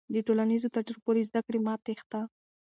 د ټولنیزو تجربو له زده کړې مه تېښته.